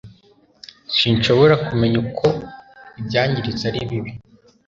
Sinshobora kumenya uko ibyangiritse ari bibi